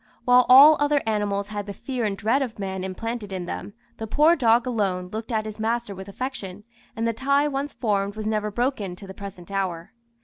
While all other animals had the fear and dread of man implanted in them, the poor dog alone looked at his master with affection, and the tie once formed was never broken to the present hour.